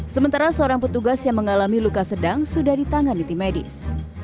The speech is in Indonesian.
sementara seorang petugas yang mengalami luka sedang sudah ditangani tim medis